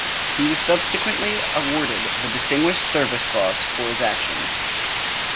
He was subsequently awarded the Distinguished Service Cross for his actions.